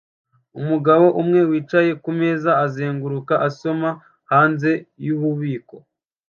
umugabo umwe wicaye kumeza azenguruka asoma hanze yububiko